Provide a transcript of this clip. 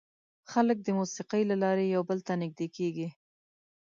خلک د موسیقۍ له لارې یو بل ته نږدې کېږي.